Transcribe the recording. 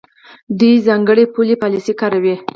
دوی ځانګړې پولي پالیسۍ کاروي.